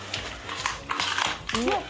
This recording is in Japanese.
うわっ！